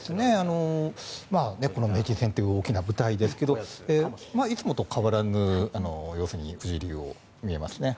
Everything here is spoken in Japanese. この名人戦という大きな舞台ですけどいつもと変わらぬ様子に藤井竜王は見えますね。